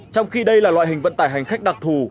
trong khi đây là loại hình vận tải hành khách đặc thù